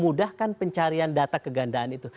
untuk memudahkan pencarian data kegandaan itu